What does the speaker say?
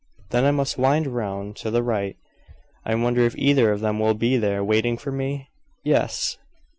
Then I must wind round to the right. I wonder if either of them will be there, waiting for me?" Yes.